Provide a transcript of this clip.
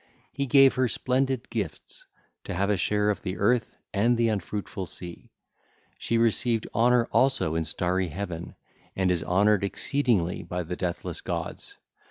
He gave her splendid gifts, to have a share of the earth and the unfruitful sea. She received honour also in starry heaven, and is honoured exceedingly by the deathless gods.